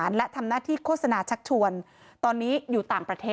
นายวรินทร